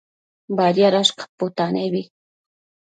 Badiadash caputanebi